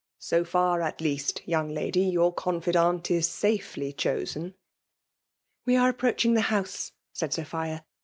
So far, at least, young lady, your confidant is safely chosen. " We are approacfaing the house, said Si^ phia.